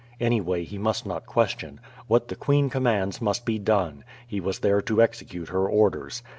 Anyway, he must not question. What the queen commands must be done. He was there to execute her orders.